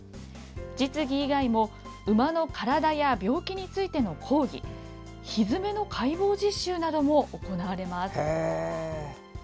実技以外も馬の体や病気についての講義ひづめの解剖実習なども行われます。